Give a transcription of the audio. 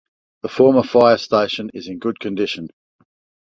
The former fire station is in good condition.